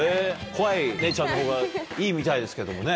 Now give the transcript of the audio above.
怖い姉ちゃんのほうがいいみたいですけどもね。